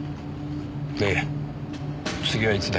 で次はいつだ。